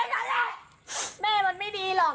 อี๋มันไม่อยากพูดหรอก